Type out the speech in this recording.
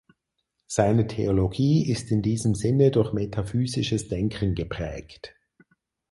Seine Theologie ist in diesem Sinne durch metaphysisches Denken geprägt.